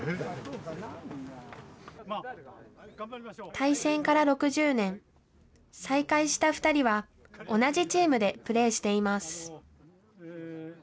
対戦から６０年、再会した２人は、同じチームでプレーしています。